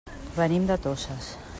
Venim de Toses.